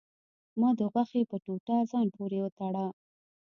ما د غوښې په ټوټه ځان پورې وتړه.